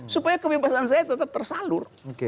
supaya kebebasan saya tetap tersalur